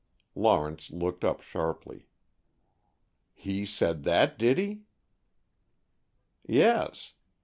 Lawrence looked up sharply. "He said that, did he?" "Yes.